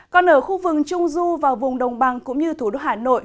còn ở khu vực trung du và vùng đồng bằng cũng như thủ đô hà nội